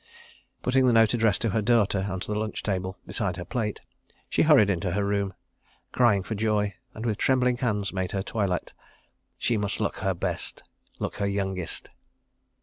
Putting the note addressed to her daughter on the lunch table, beside her plate, she hurried into her room, crying for joy, and, with trembling hands, made her toilette. She must look her best—look her youngest.